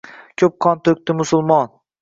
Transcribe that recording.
Ko’p qon to’kdi musulmon.